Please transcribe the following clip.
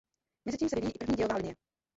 Mezitím se vyvíjí i první dějová linie.